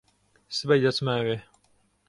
سبەی دەچمە ئەوێ.